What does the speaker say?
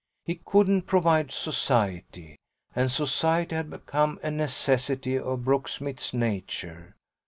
He couldn't provide society; and society had become a necessity of Brooksmith's nature.